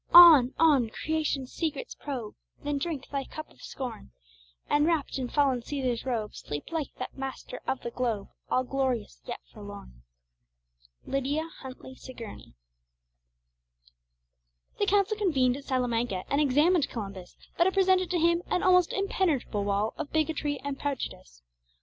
On! on! Creation's secrets probe, Then drink thy cup of scorn, And wrapped in fallen Cæsar's robe, Sleep like that master of the globe, All glorious, yet forlorn. LYDIA HUNTLEY SIGOURNEY. The council convened at Salamanca and examined Columbus; but it presented to him an almost impenetrable wall of bigotry and prejudice.